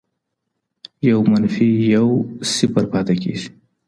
يو منفي يو؛ صفر پاته کېږي.